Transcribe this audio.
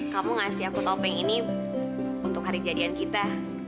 kamu ngasih aku topeng ini untuk hari jadian kita